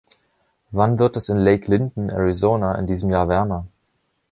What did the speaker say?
Wann wird es in Lake Linden, Arizona in diesem Jahr wärmer